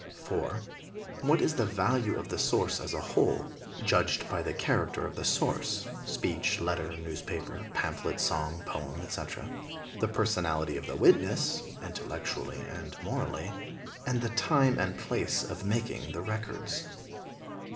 4. What is the value of the source as a whole, judged by the character of the source (speech, letter, newspaper, pamphlet, song, poem, etc.), the personality of the witness (intellectually and morally) and the time and place of making the records.